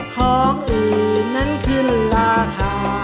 ของอื่นนั้นขึ้นราคา